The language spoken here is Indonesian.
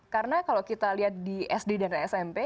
karena kalau kita lihat di sd dan smp nggak ada rasio